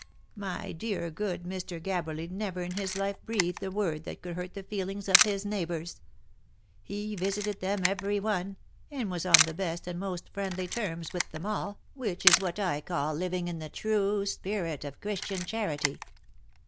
My dear good Mr. Gabberly never in his life breathed a word that could hurt the feelings of his neighbours. He visited them every one, and was on the best and most friendly terms with them all, which is what I call living in the true spirit of Christian charity.